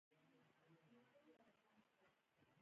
طبیعي زیرمې د افغانانو د اړتیاوو د پوره کولو وسیله ده.